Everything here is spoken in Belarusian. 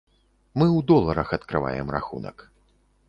Мы ў доларах адкрываем рахунак.